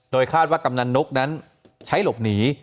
คาดว่ากำนันนกนั้นใช้หลบหนี